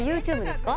ＹｏｕＴｕｂｅですか？